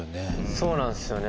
そうなんすよね。